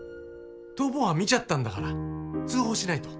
逃亡犯見ちゃったんだから通報しないと。